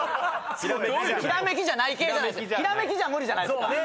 ひらめきじゃ無理じゃないっすか。